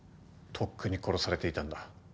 とっくに殺されていたんだ。